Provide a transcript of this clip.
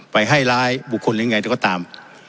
ไปให้ร้ายบุคคลหรือไงแต่ก็ตาม